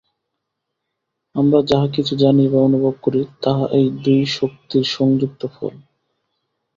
আমরা যাহা কিছু জানি বা অনুভব করি, তাহা এই দুই শক্তির সংযুক্ত ফল।